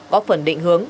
có phần định hướng